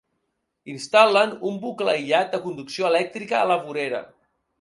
Instal·len un bucle aïllat de conducció elèctrica a la vorera.